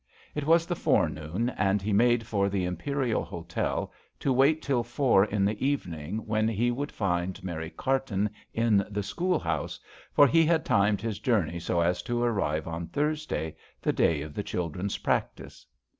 It was the forenoon, and he made for the Imperial Hotel to wait till four in the evening, when he would find Mary Carton in the school house, for he had timed his journey so as to arrive on Thurs day, the day of the children's practice.